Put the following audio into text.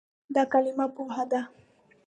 دا کلمه "پوهه" ده.